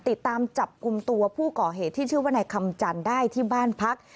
ติดตามจับกลุ่มตัวผู้ก่อเหตุที่ชื่อว่านายคำจันทร์ได้ที่บ้านพัก